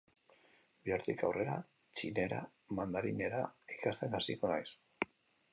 Bihartik aurrera txinera, mandarinera, ikasten hasiko naiz.